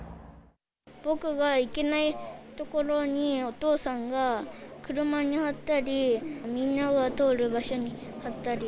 僕が行けない所にお父さんが車に貼ったり、みんなが通る場所に貼ったり。